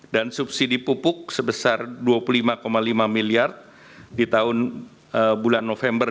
dan subsidi pupuk sebesar rp dua puluh lima lima miliar di tahun bulan november dua ribu dua puluh tiga